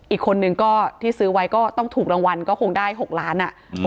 อีกคนนึงก็ที่ซื้อไว้ก็ต้องถูกรางวัลก็คงได้๖ล้านอ่ะ